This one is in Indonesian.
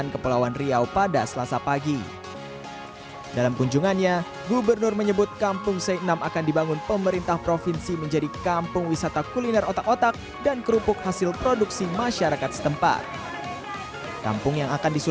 kepulauan riau adalah salah satu kampung otak otak yang terkenal di kepulauan riau